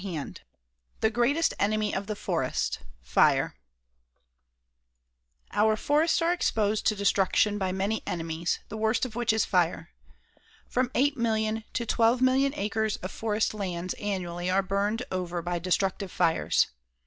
CHAPTER VI THE GREATEST ENEMY OF THE FOREST FIRE Our forests are exposed to destruction by many enemies, the worst of which is fire. From 8,000,000 to 12,000,000 acres of forest lands annually are burned over by destructive fires.